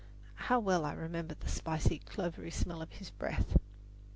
how well I remember the spicy, clovery smell of his breath!